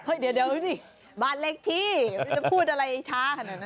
เฮ่ยเดี๋ยวดูสิบ้านเลขที่พูดอะไรช้าขนาดนั้น